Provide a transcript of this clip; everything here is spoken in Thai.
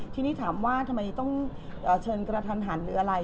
ทีนี้ถามว่าทำไมต้องเชิญกระทันหันหรืออะไร